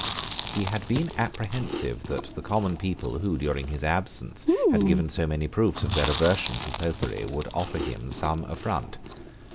He had been apprehensive that the common people, who, during his absence, had given so many proofs of their aversion to Popery, would offer him some affront.